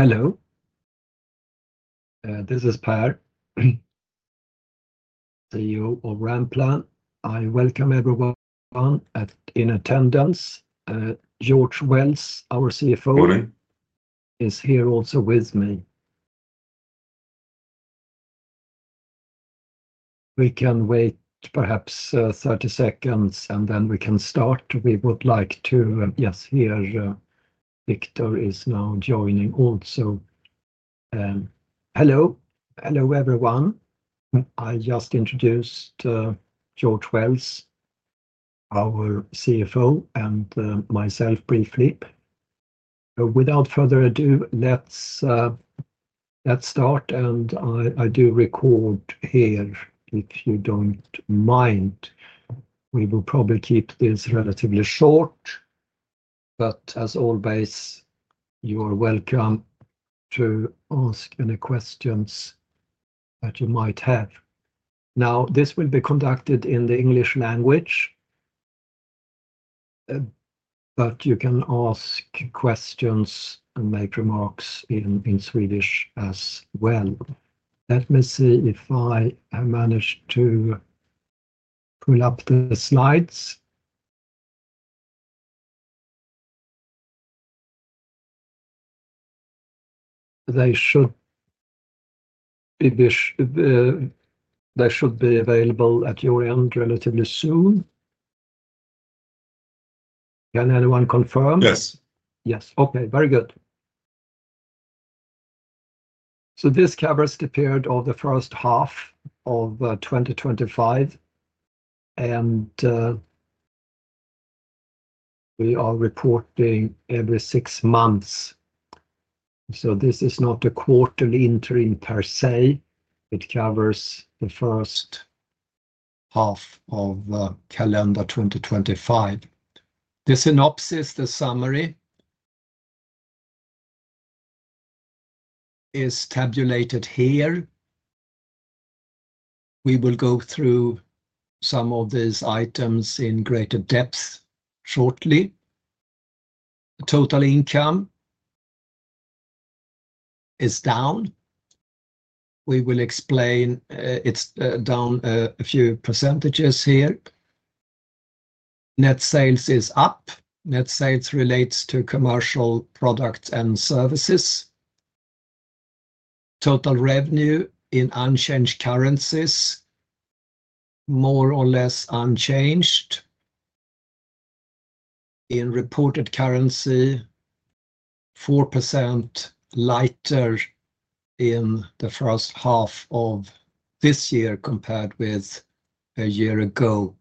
Hello. This is Per, CEO of Ranplan. I welcome everyone in attendance. George Wells, our CFO, is here also with me. We can wait perhaps 30 seconds, and then we can start. We would like to, yes, here, Victor is now joining also. Hello, hello everyone. I just introduced George Wells, our CFO, and myself briefly. Without further ado, let's start, and I do record here if you don't mind. We will probably keep this relatively short, but as always, you are welcome to ask any questions that you might have. This will be conducted in the English language, but you can ask questions and make remarks in Swedish as well. Let me see if I manage to pull up the slides. They should be available at your end relatively soon. Can anyone confirm? Yes. Yes, okay, very good. This covers the period of the first half of 2025, and we are reporting every six months. This is not a quarterly interim per se. It covers the first half of calendar 2025. The synopsis, the summary, is tabulated here. We will go through some of these items in greater depth shortly. The total income is down. We will explain it's down a few percentages here. Net sales is up. Net sales relates to commercial products and services. Total revenue in unchanged currencies, more or less unchanged. In reported currency, 4% lighter in the first half of this year compared with a year ago.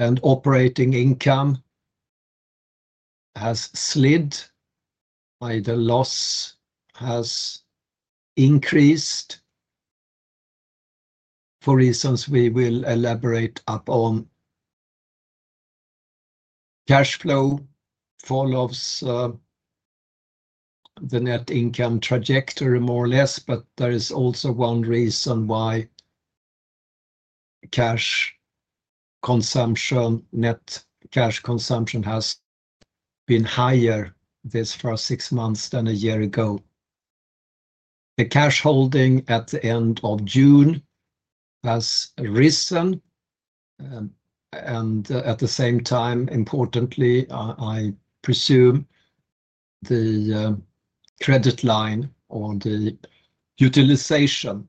Operating income has slid. Either loss has increased for reasons we will elaborate upon. Cash flow follows the net income trajectory more or less, but there is also one reason why cash consumption, net cash consumption has been higher this first six months than a year ago. The cash holding at the end of June has risen, and at the same time, importantly, I presume the credit line or the utilization,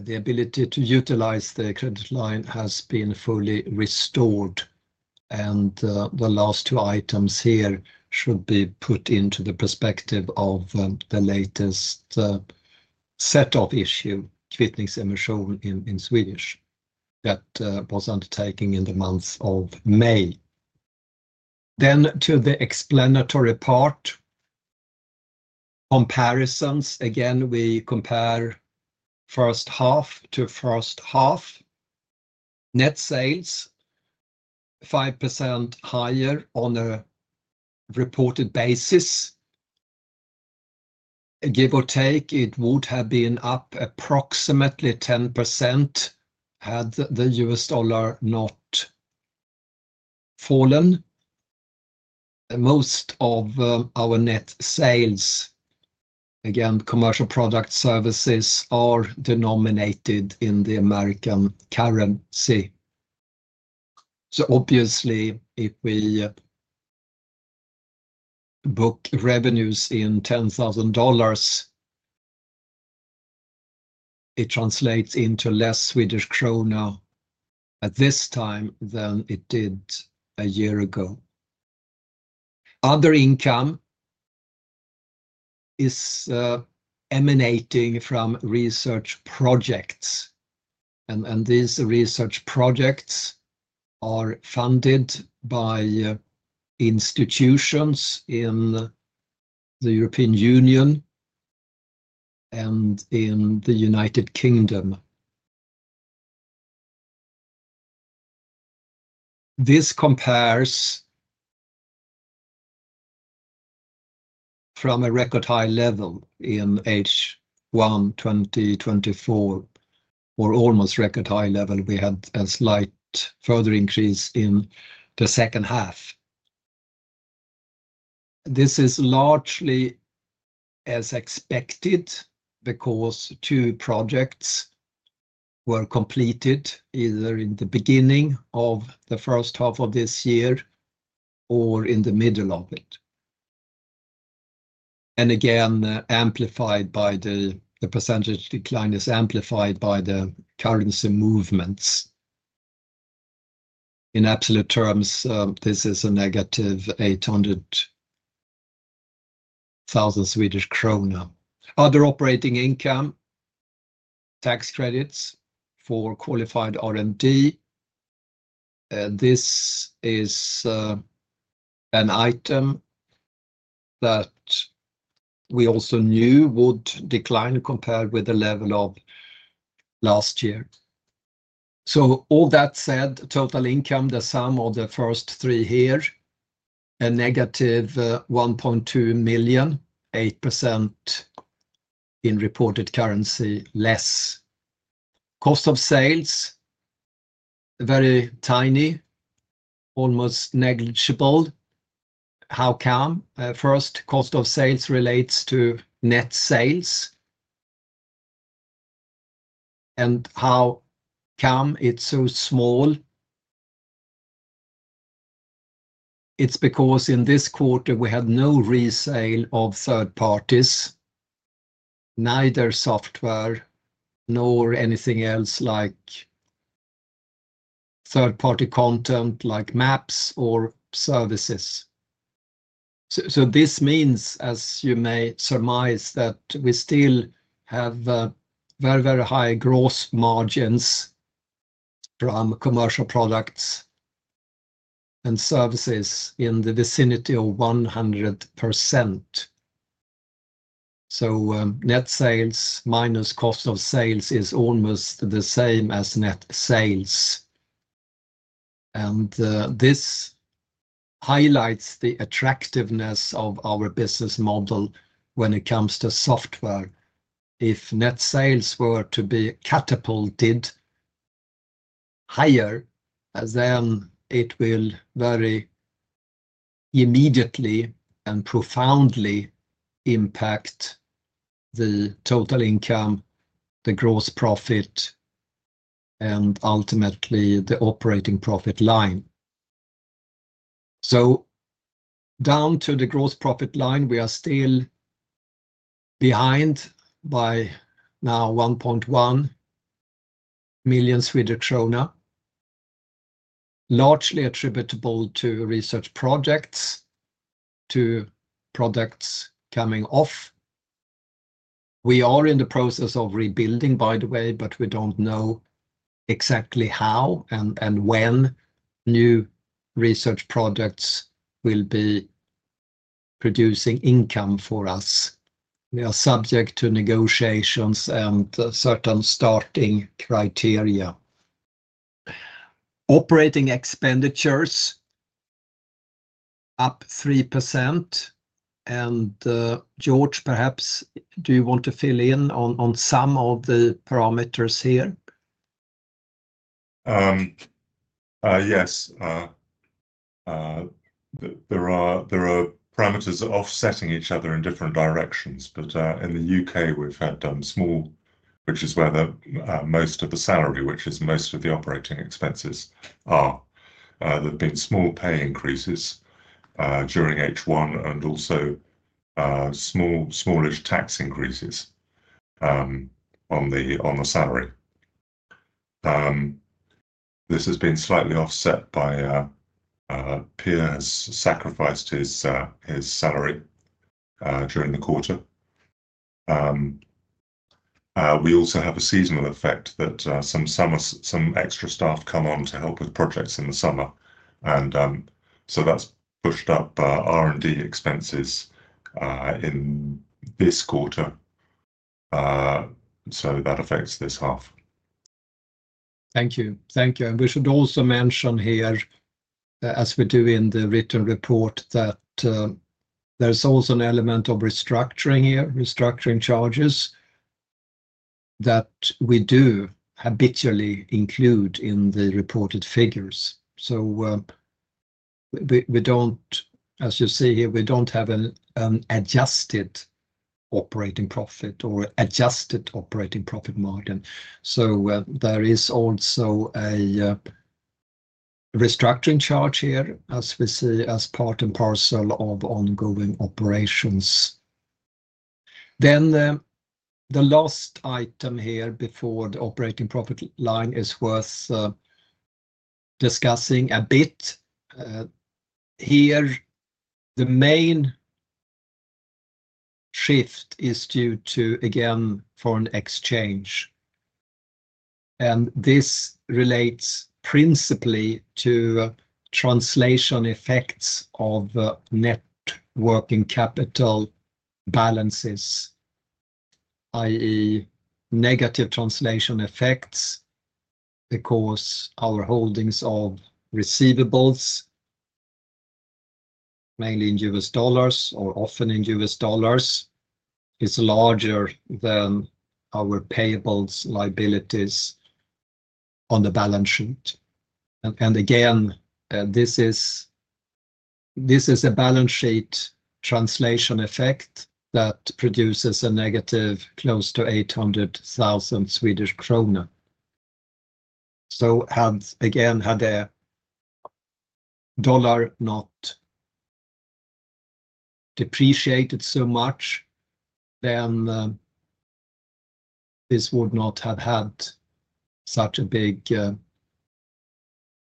the ability to utilize the credit line has been fully restored. The last two items here should be put into the perspective of the latest set of issues, kvittningsemission in Swedish, that was undertaken in the month of May. To the explanatory part, comparisons. Again, we compare first half to first half. Net sales, 5% higher on a reported basis. Give or take, it would have been up approximately 10% had the US dollar not fallen. Most of our net sales, again, commercial products, services are denominated in the American currency. Obviously, if we book revenues in $10,000, it translates into less Swedish krona at this time than it did a year ago. Other income is emanating from research projects. These research projects are funded by institutions in the European Union and in the United Kingdom. This compares from a record high level in H1 2024, or almost record high level. We had a slight further increase in the second half. This is largely as expected because two projects were completed either in the beginning of the first half of this year or in the middle of it. Again, the percentage decline is amplified by the currency movements. In absolute terms, this is a negative 800,000 Swedish krona. Other operating income, tax credits for qualified R&D. This is an item that we also knew would decline compared with the level of last year. All that said, total income, the sum of the first three here, a negative 1.2 million, 8% in reported currency less. Cost of sales, very tiny, almost negligible. How come? First, cost of sales relates to net sales. How come it's so small? It's because in this quarter we had no resale of third parties, neither software nor anything else like third-party content like maps or services. This means, as you may surmise, that we still have very, very high gross margins from commercial products and services in the vicinity of 100%. Net sales minus cost of sales is almost the same as net sales. This highlights the attractiveness of our business model when it comes to software. If net sales were to be catapulted higher, it will very immediately and profoundly impact the total income, the gross profit, and ultimately the operating profit line. Down to the gross profit line, we are still behind by now 1.1 million Swedish krona, largely attributable to research projects, to products coming off. We are in the process of rebuilding, by the way, but we don't know exactly how and when new research projects will be producing income for us. We are subject to negotiations and certain starting criteria. Operating expenditures up 3%. George, perhaps, do you want to fill in on some of the parameters here? Yes. There are parameters offsetting each other in different directions, but in the UK, we've had done small, which is where most of the salary, which is most of the operating expenses, are. There have been small pay increases during H1 and also smallish tax increases on the salary. This has been slightly offset by Per has sacrificed his salary during the quarter. We also have a seasonal effect that some extra staff come on to help with projects in the summer. That's pushed up R&D expenses in this quarter. That affects this half. Thank you. Thank you. We should also mention here, as we do in the written report, that there's also an element of restructuring here, restructuring charges that we do habitually include in the reported figures. We don't, as you see here, have an adjusted operating profit or adjusted operating profit margin. There is also a restructuring charge here, as we see, as part and parcel of ongoing operations. The last item here before the operating profit line is worth discussing a bit. Here, the main shift is due to, again, foreign exchange. This relates principally to translation effects of net working capital balances, i.e., negative translation effects because our holdings of receivables, mainly in US dollars or often in US dollars, is larger than our payables, liabilities on the balance sheet. This is a balance sheet translation effect that produces a negative close to 800,000 Swedish krona. Had a dollar not depreciated so much, then this would not have had such a big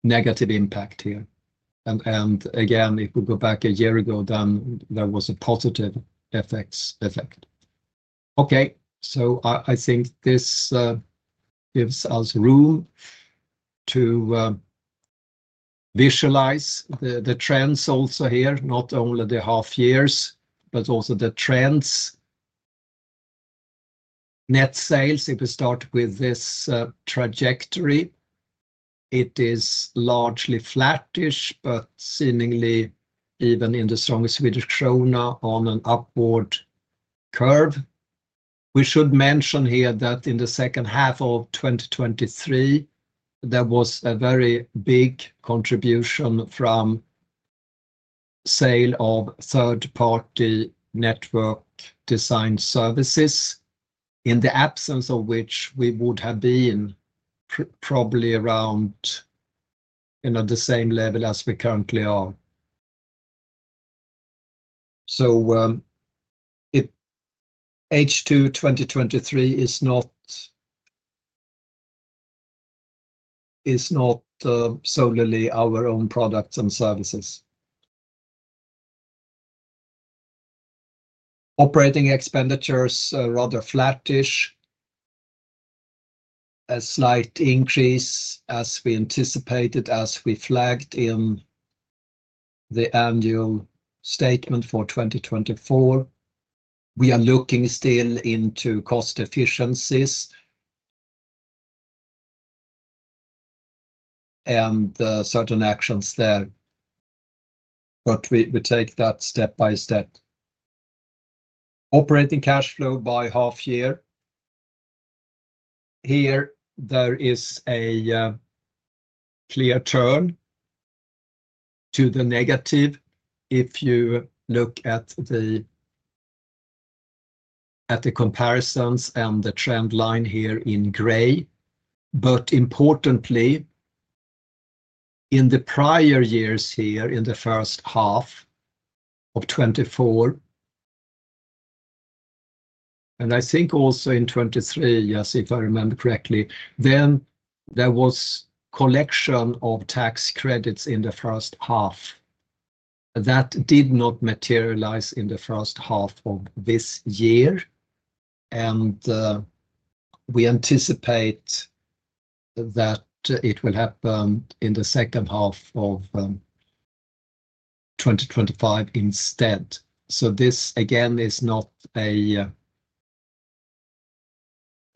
negative impact here. If we go back a year ago, then there was a positive effect. I think this gives us room to visualize the trends also here, not only the half years, but also the trends. Net sales, if we start with this trajectory, it is largely flattish, but seemingly even in the strongest Swedish krona on an upward curve. We should mention here that in the second half of 2023, there was a very big contribution from the sale of third-party network design services, in the absence of which we would have been probably around the same level as we currently are. H2 2023 is not solely our own products and services. Operating expenditures are rather flattish, a slight increase as we anticipated, as we flagged in the annual statement for 2024. We are looking still into cost efficiencies and certain actions there, but we take that step by step. Operating cash flow by half year, there is a clear turn to the negative if you look at the comparisons and the trend line here in gray. Importantly, in the prior years here, in the first half of 2024, and I think also in 2023, yes, if I remember correctly, there was a collection of tax credits in the first half. That did not materialize in the first half of this year, and we anticipate that it will happen in the second half of 2025 instead. This, again,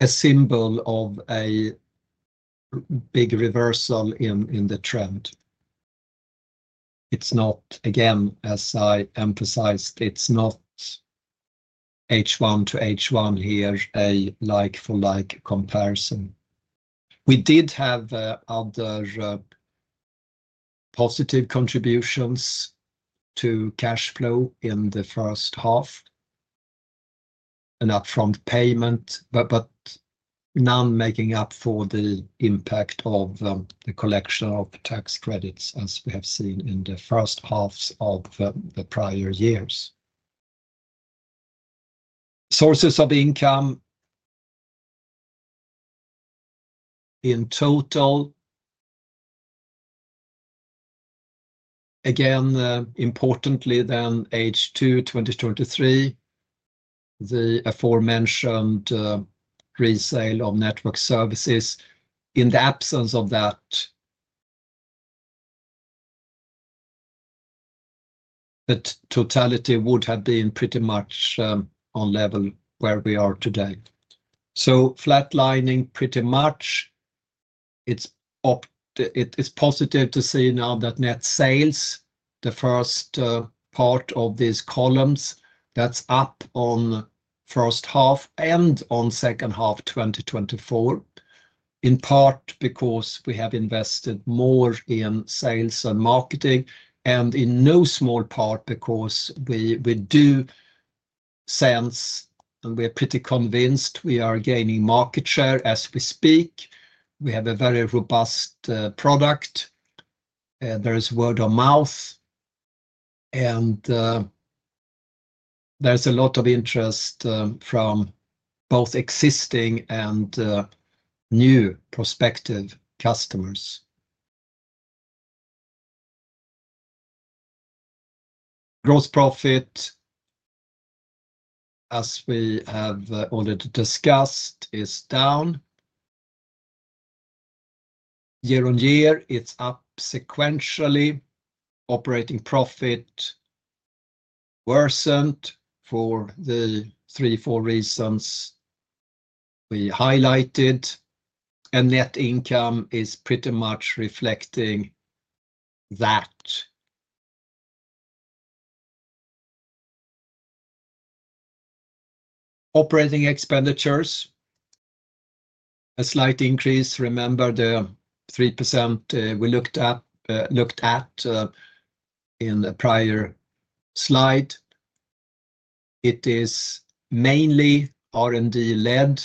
is not a symbol of a big reversal in the trend. It's not, again, as I emphasized, it's not H1 to H1 here, a like-for-like comparison. We did have other positive contributions to cash flow in the first half, an upfront payment, but none making up for the impact of the collection of R&D tax credits, as we have seen in the first half of the prior years. Sources of income in total, again, importantly, then H2 2023, the aforementioned resale of network design services. In the absence of that, the totality would have been pretty much on level where we are today. Flatlining pretty much. It's positive to see now that net sales, the first part of these columns, that's up on first half and on second half 2024, in part because we have invested more in sales and marketing, and in no small part because we do sense, and we're pretty convinced we are gaining market share as we speak. We have a very robust product. There is word of mouth, and there's a lot of interest from both existing and new prospective customers. Gross profit, as we have already discussed, is down. Year on year, it's up sequentially. Operating profit worsened for the three, four reasons we highlighted, and net income is pretty much reflecting that. Operating expenditures, a slight increase. Remember the 3% we looked at in the prior slide. It is mainly R&D led,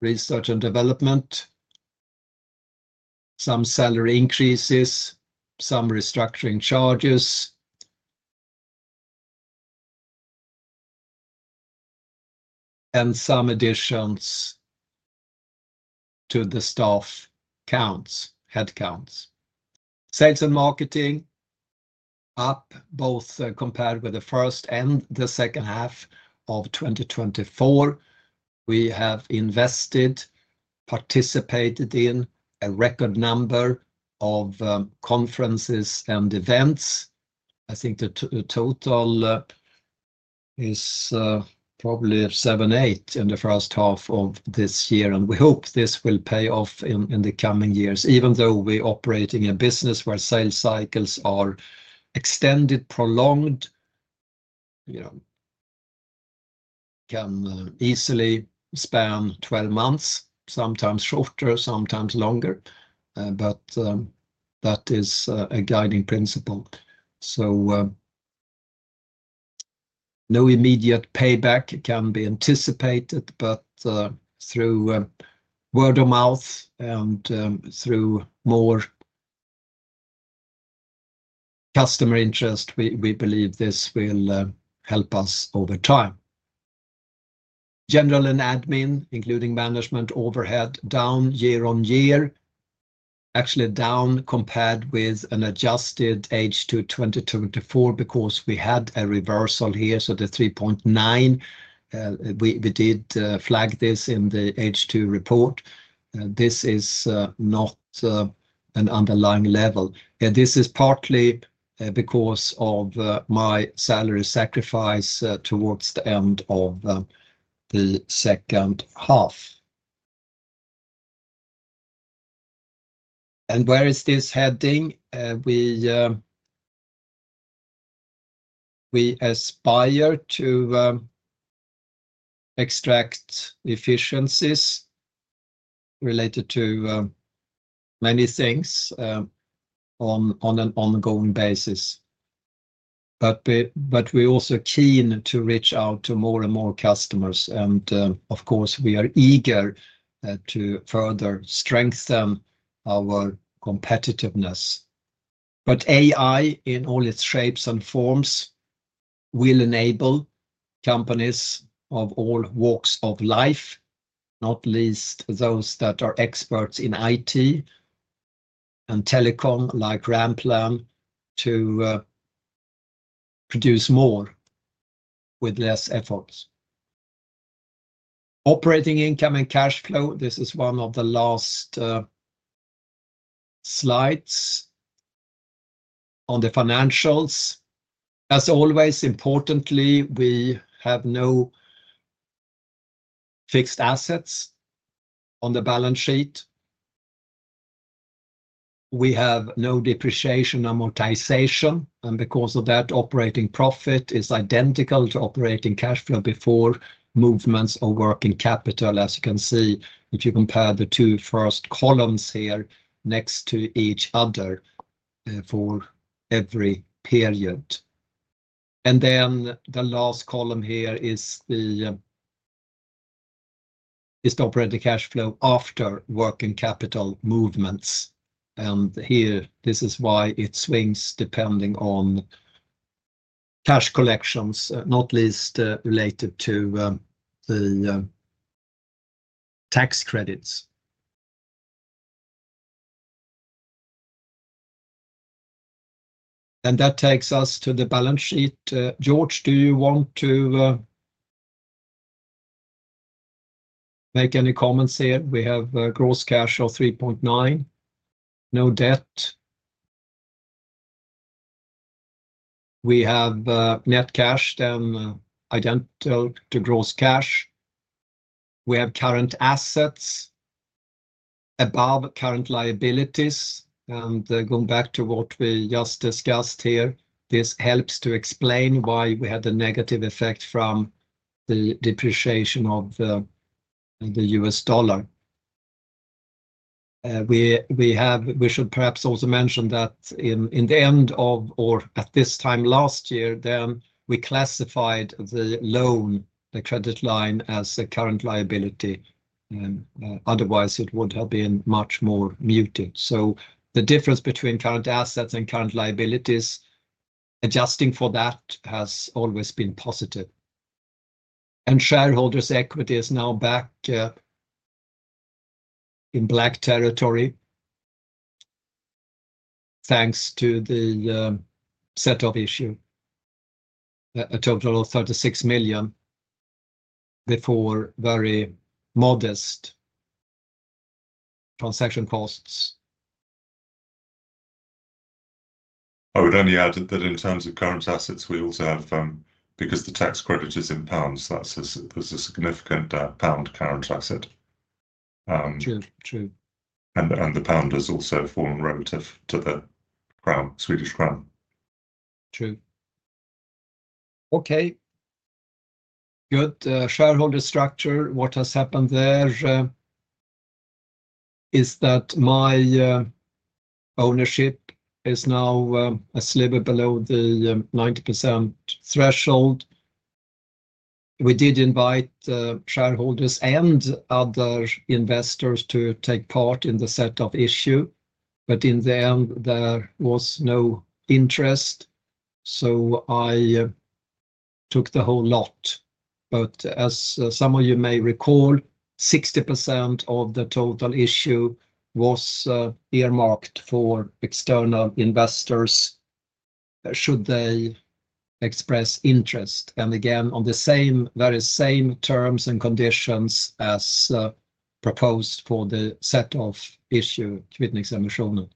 research and development. Some salary increases, some restructuring charges, and some additions to the staff headcounts. Sales and marketing up both compared with the first and the second half of 2024. We have invested, participated in a record number of conferences and events. I think the total is probably seven, eight in the first half of this year, and we hope this will pay off in the coming years, even though we are operating in a business where sales cycles are extended, prolonged, can easily span 12 months, sometimes shorter, sometimes longer, but that is a guiding principle. No immediate payback can be anticipated, but through word of mouth and through more customer interest, we believe this will help us over time. General and admin, including management, overhead down year on year, actually down compared with an adjusted H2 2024 because we had a reversal here, so the 3.9. We did flag this in the H2 report. This is not an underlying level. This is partly because of my salary sacrifice towards the end of the second half. Where is this heading? We aspire to extract efficiencies related to many things on an ongoing basis. We're also keen to reach out to more and more customers, and of course, we are eager to further strengthen our competitiveness. AI in all its shapes and forms will enable companies of all walks of life, not least those that are experts in IT and telecom like Ranplan, to produce more with less effort. Operating income and cash flow, this is one of the last slides on the financials. As always, importantly, we have no fixed assets on the balance sheet. We have no depreciation or amortization, and because of that, operating profit is identical to operating cash flow before movements of working capital, as you can see if you compare the two first columns here next to each other for every period. The last column here is the operating cash flow after working capital movements. This is why it swings depending on cash collections, not least related to the tax credits. That takes us to the balance sheet. George, do you want to make any comments here? We have gross cash of 3.9 million, no debt. We have net cash, then identical to gross cash. We have current assets above current liabilities. Going back to what we just discussed here, this helps to explain why we had the negative effect from the depreciation of the US dollar. We should perhaps also mention that at this time last year, we classified the loan, the credit line, as a current liability. Otherwise, it would have been much more muted. The difference between current assets and current liabilities, adjusting for that, has always been positive. Shareholders' equity is now back in black territory, thanks to the set of share issues. A total of 36 million before very modest transaction costs. I would only add that in terms of current assets, we also have, because the tax credit is in pounds, that's a significant pound current asset. True, true. The pound has also formed relative to the Swedish krona. True. Okay, good. Shareholder structure, what has happened there is that my ownership is now a sliver below the 90% threshold. We did invite shareholders and other investors to take part in the set of issues, but in the end, there was no interest, so I took the whole lot. As some of you may recall, 60% of the total issue was earmarked for external investors should they express interest. Again, on the very same terms and conditions as proposed for the set of issues, kvittningsemissionen.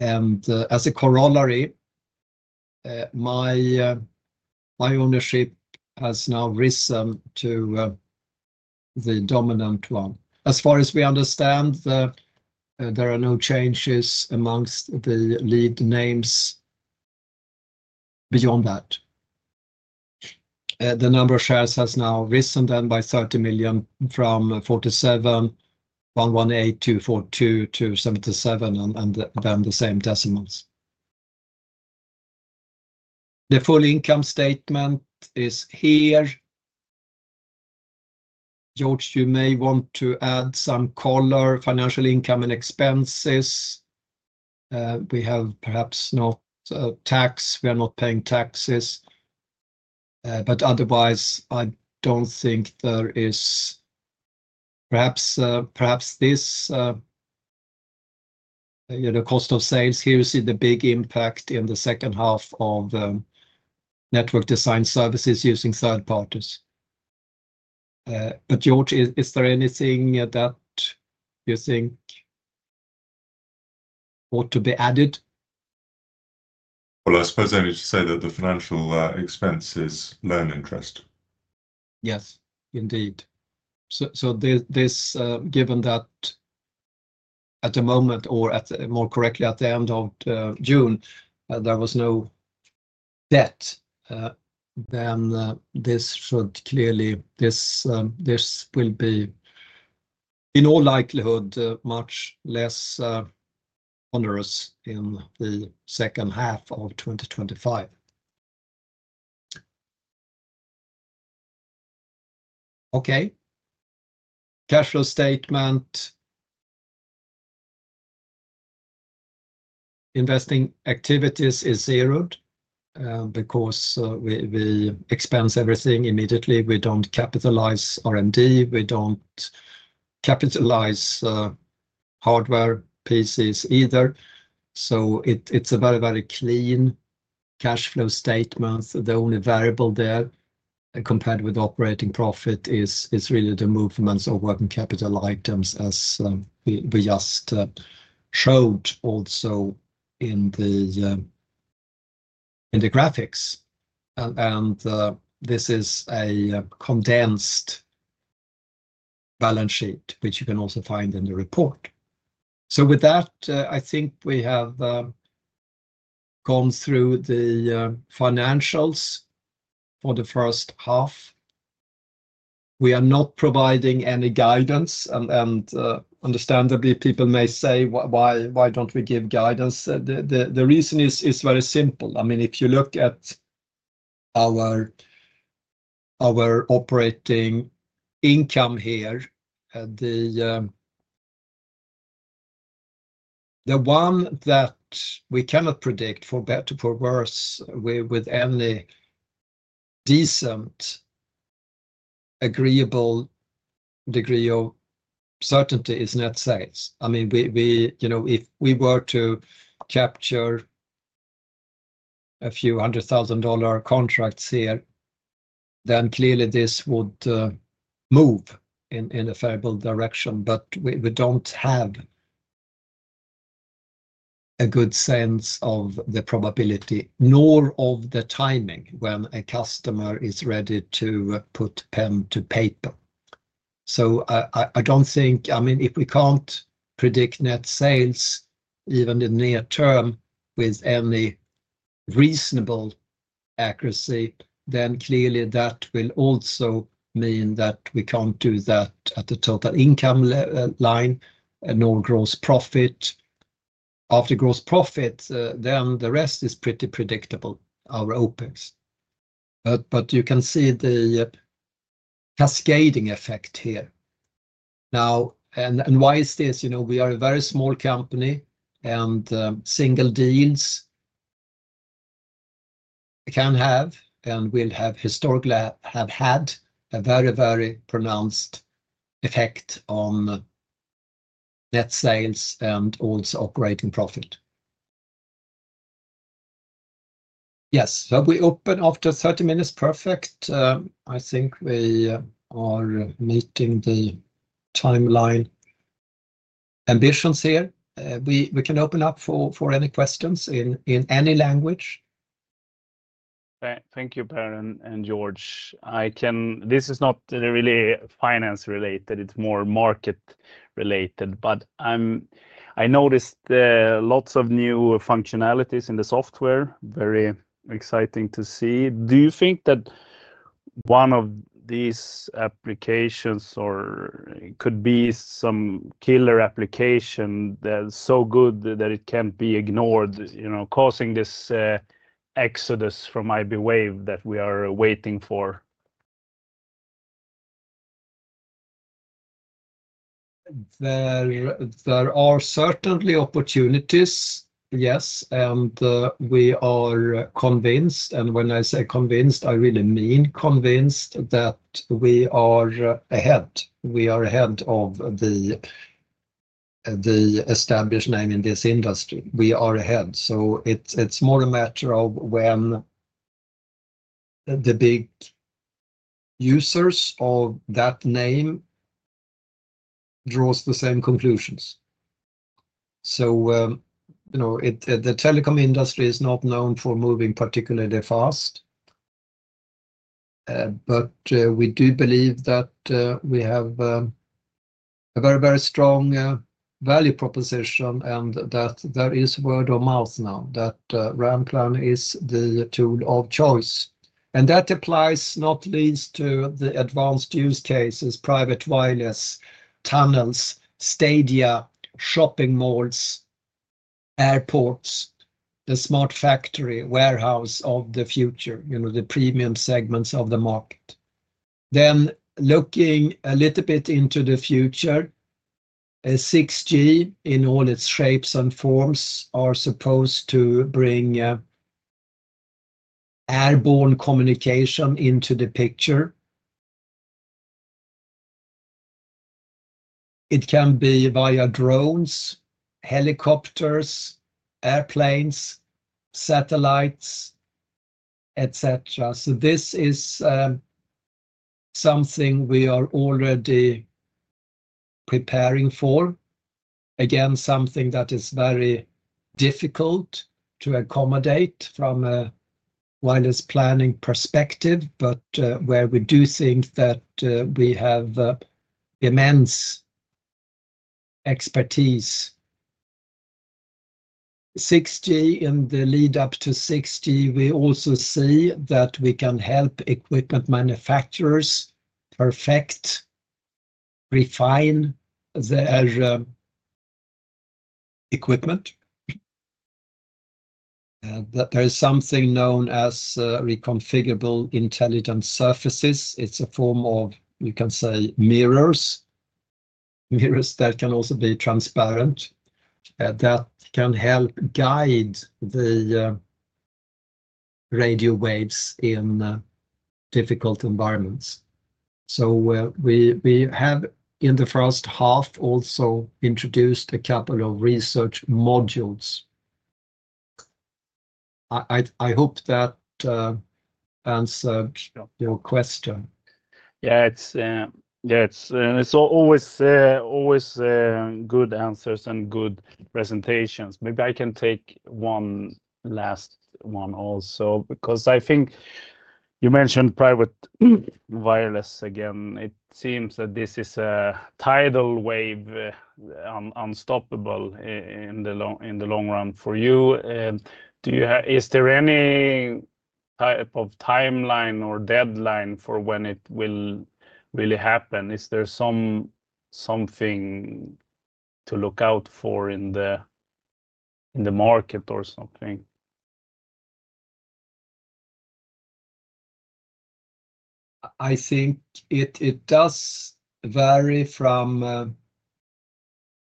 As a corollary, my ownership has now risen to the dominant one. As far as we understand, there are no changes amongst the lead names beyond that. The number of shares has now risen by 30 million from 47,118,242 to 77,118,242, and then the same decimals. The full income statement is here. George, you may want to add some color, financial income and expenses. We have perhaps not tax, we are not paying taxes, but otherwise, I don't think there is perhaps this. The cost of sales here is the big impact in the second half of network design services using third parties. George, is there anything that you think ought to be added? I suppose I need to say that the financial expenses, loan interest. Yes, indeed. This, given that at the moment, or more correctly at the end of June, there was no debt, should clearly be much less onerous in the second half of 2025. Cash flow statement. Investing activities is zeroed because we expense everything immediately. We don't capitalize R&D. We don't capitalize hardware, PCs either. It is a very, very clean cash flow statement. The only variable there compared with operating profit is really the movements of working capital items, as we just showed also in the graphics. This is a condensed balance sheet, which you can also find in the report. With that, I think we have gone through the financials for the first half. We are not providing any guidance, and understandably, people may say, why don't we give guidance? The reason is very simple. If you look at our operating income here, the one that we cannot predict for better or worse with any decent agreeable degree of certainty is net sales. If we were to capture a few hundred thousand dollar contracts here, clearly this would move in a favorable direction, but we don't have a good sense of the probability, nor of the timing when a customer is ready to put pen to paper. I don't think, if we can't predict net sales even in the near term with any reasonable accuracy, that will also mean that we can't do that at the total income line, nor gross profit. After gross profit, the rest is pretty predictable, our openings. You can see the cascading effect here. Why is this? We are a very small company and single deans can have and will have historically had a very, very pronounced effect on net sales and also operating profit. Yes, are we open after 30 minutes? Perfect. I think we are meeting the timeline ambitions here. We can open up for any questions in any language. Thank you, Per and George. This is not really finance related, it's more market related, but I noticed lots of new functionalities in the software, very exciting to see. Do you think that one of these applications could be some killer application that's so good that it can't be ignored, you know, causing this exodus from iBwave that we are waiting for? There are certainly opportunities, yes, and we are convinced, and when I say convinced, I really mean convinced that we are ahead. We are ahead of the established name in this industry. We are ahead. It is more a matter of when the big users of that name draw the same conclusions. You know, the telecom industry is not known for moving particularly fast, but we do believe that we have a very, very strong value proposition and that there is word of mouth now that Ranplan is the tool of choice. That applies not least to the advanced use cases, private wireless, tunnels, stadia, shopping malls, airports, the smart factory, warehouse of the future, the premium segments of the market. Looking a little bit into the future, 6G in all its shapes and forms is supposed to bring airborne communication into the picture. It can be via drones, helicopters, airplanes, satellites, etc. This is something we are already preparing for. Again, something that is very difficult to accommodate from a wireless planning perspective, but where we do think that we have immense expertise. In the lead up to 6G, we also see that we can help equipment manufacturers perfect, refine their equipment. There is something known as reconfigurable intelligent surfaces. It is a form of, you can say, mirrors. Mirrors that can also be transparent. That can help guide the radio waves in difficult environments. We have in the first half also introduced a couple of research modules. I hope that answers your question. Yeah, it's always good answers and good presentations. Maybe I can take one last one also, because I think you mentioned private wireless again. It seems that this is a tidal wave, unstoppable in the long run for you. Is there any type of timeline or deadline for when it will really happen? Is there something to look out for in the market or something? I think it does vary from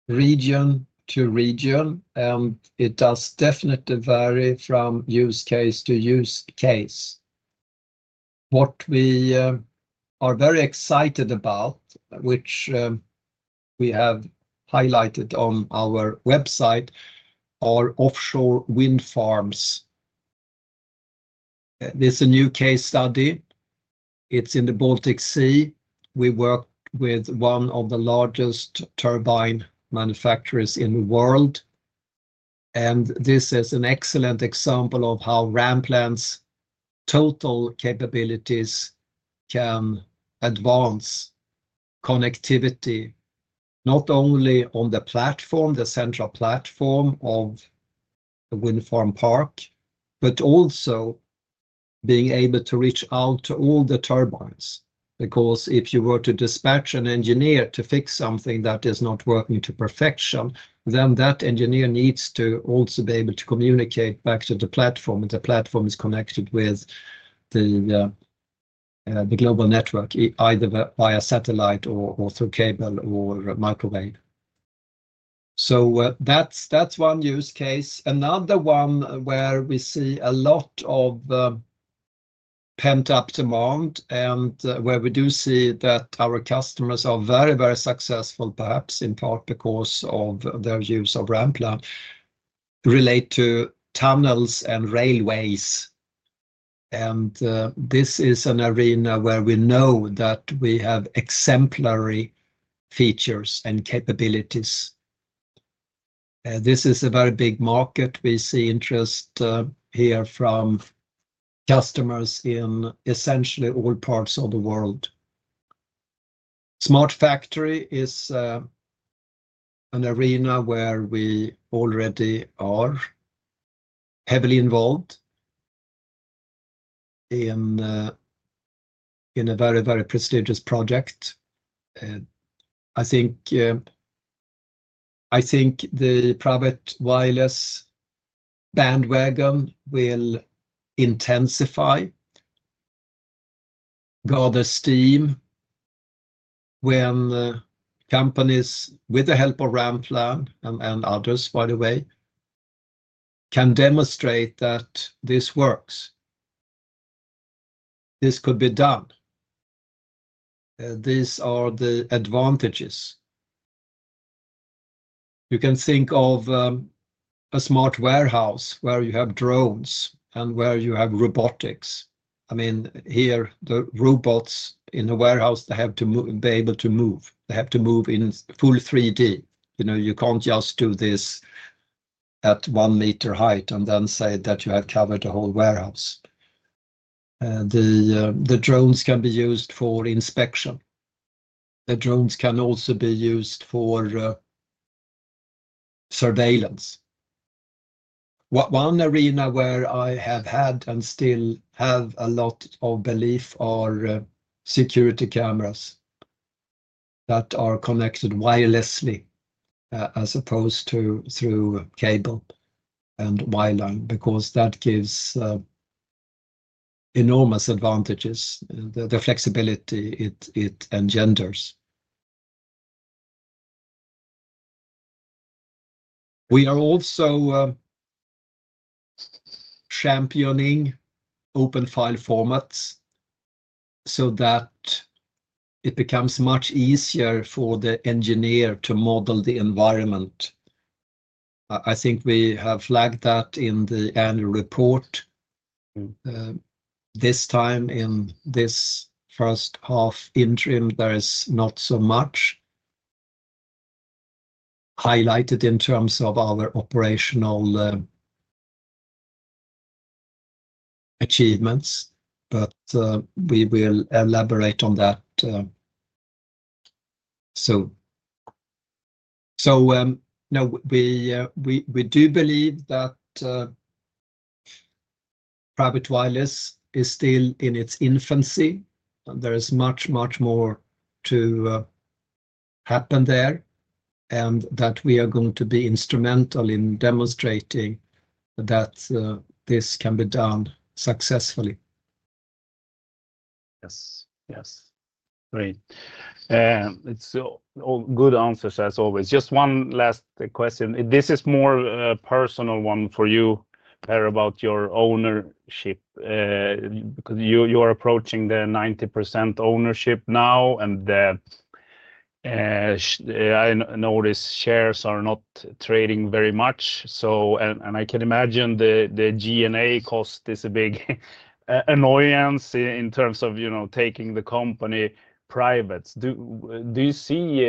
region to region, and it does definitely vary from use case to use case. What we are very excited about, which we have highlighted on our website, are offshore wind farms. This is a new case study. It's in the Baltic Sea. We work with one of the largest turbine manufacturers in the world. This is an excellent example of how Ranplan's total capabilities can advance connectivity, not only on the platform, the central platform of the wind farm park, but also being able to reach out to all the turbines. If you were to dispatch an engineer to fix something that is not working to perfection, then that engineer needs to also be able to communicate back to the platform. The platform is connected with the global network, either via satellite or through cable or microwave. That's one use case. Another one where we see a lot of pent-up demand and where we do see that our customers are very, very successful, perhaps in part because of their use of Ranplan, relate to tunnels and railways. This is an arena where we know that we have exemplary features and capabilities. This is a very big market. We see interest here from customers in essentially all parts of the world. Smart factory is an arena where we already are heavily involved in a very, very prestigious project. I think the private wireless bandwagon will intensify, gather steam when companies, with the help of Ranplan and others, by the way, can demonstrate that this works. This could be done. These are the advantages. You can think of a smart warehouse where you have drones and where you have robotics. Here the robots in the warehouse, they have to be able to move. They have to move in full 3D. You know, you can't just do this at one meter height and then say that you have covered the whole warehouse. The drones can be used for inspection. The drones can also be used for surveillance. One arena where I have had and still have a lot of belief are security cameras that are connected wirelessly as opposed to through cable and wireline, because that gives enormous advantages, the flexibility it engenders. We are also championing open file formats so that it becomes much easier for the engineer to model the environment. I think we have flagged that in the annual report. This time in this first half interim, there is not so much highlighted in terms of our operational achievements, but we will elaborate on that soon. We do believe that private wireless is still in its infancy. There is much, much more to happen there and that we are going to be instrumental in demonstrating that this can be done successfully. Yes, yes. Great. It's all good answers as always. Just one last question. This is more a personal one for you, Per, about your ownership. You are approaching the 90% ownership now and I notice shares are not trading very much. I can imagine the G&A cost is a big annoyance in terms of, you know, taking the company private. Do you see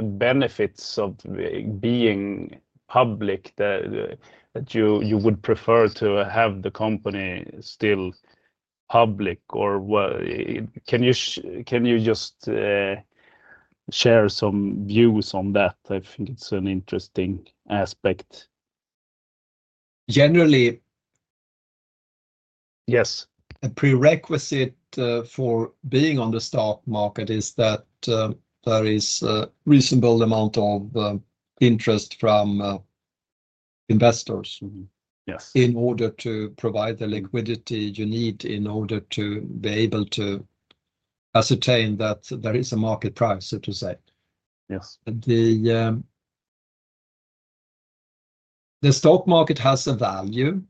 benefits of being public that you would prefer to have the company still public? What can you just share some views on that? I think it's an interesting aspect. Generally, yes, a prerequisite for being on the stock market is that there is a reasonable amount of interest from investors. Yes, in order to provide the liquidity you need in order to be able to ascertain that there is a market price, so to say. Yes. The stock market has a value,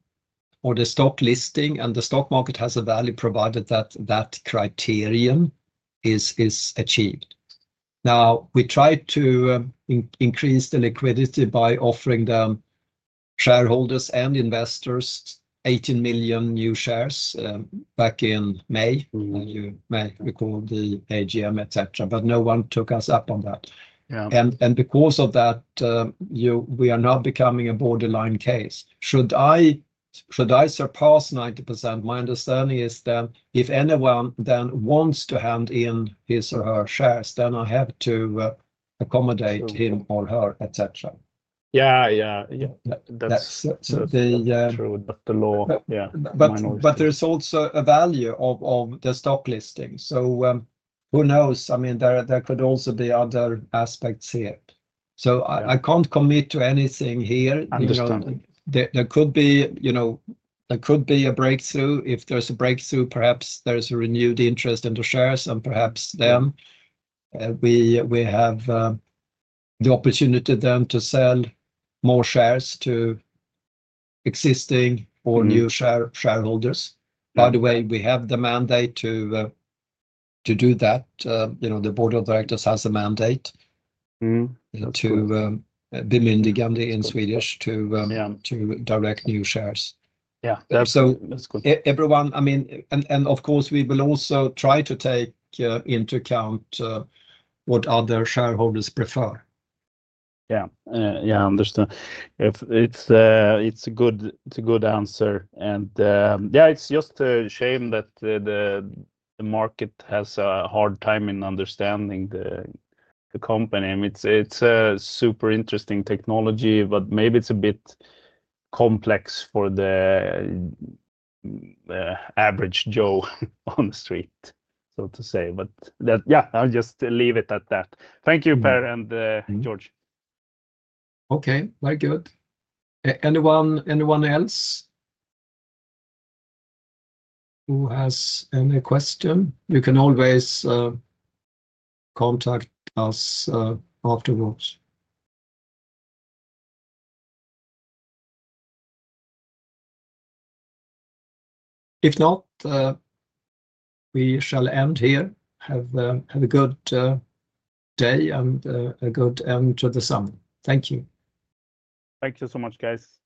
or the stock listing and the stock market has a value provided that that criterion is achieved. We try to increase the liquidity by offering the shareholders and investors 18 million new shares back in May when you may recall the AGM, etc., but no one took us up on that. Because of that, we are now becoming a borderline case. Should I surpass 90%, my understanding is then if anyone then wants to hand in his or her shares, then I have to accommodate him or her, etc. Yeah, yeah. That's true. There is also a value of the stock listing. Who knows? There could also be other aspects here. I can't commit to anything here. Understood. There could be, you know, there could be a breakthrough. If there's a breakthrough, perhaps there's a renewed interest in the shares and perhaps then we have the opportunity to sell more shares to existing or new shareholders. By the way, we have the mandate to do that. The board of directors has a mandate to be myndigandy in Swedish to direct new shares. Yeah. Everyone, I mean, and of course we will also try to take into account what other shareholders prefer. Yeah, understood. It's a good answer. It's just a shame that the market has a hard time in understanding the company. I mean, it's a super interesting technology, but maybe it's a bit complex for the average Joe on the street, so to say. I'll just leave it at that. Thank you, Per and George. Okay, very good. Anyone else who has any question? You can always contact us afterwards. If not, we shall end here. Have a good day and a good end to the summer. Thank you. Thank you so much, guys. Thank you.